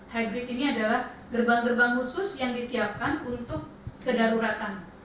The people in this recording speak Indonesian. hybrid ini adalah gerbang gerbang khusus yang disiapkan untuk kedaruratan